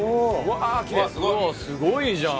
すごいじゃん。